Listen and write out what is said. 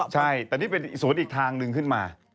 ใช่แต่นี่เป็นสวนอีกทางหนึ่งขึ้นมา